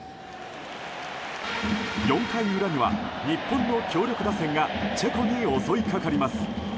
４回裏には、日本の強力打線がチェコに襲いかかります。